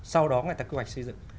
sau đó người ta quy hoạch xây dựng